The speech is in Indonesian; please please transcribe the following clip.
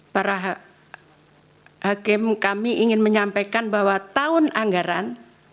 para hakim kami ingin menyampaikan bahwa tahun anggaran